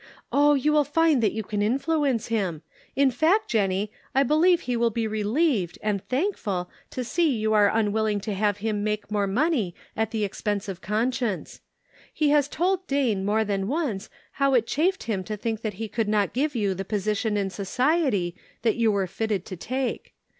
Oh, you will find that you can influence him ; in fact, Jennie, I believe he will be relieved and thankful to see that you are unwilling to have him make more money at the expense of conscience. He has told Dane more than once how it chafed him to think that he could not give you the position in society that you were fitted to take.